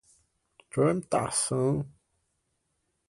tramitação